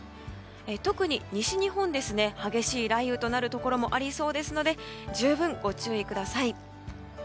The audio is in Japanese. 特に西日本、激しい雷雨となるところもありそうですので十分ご注意ください。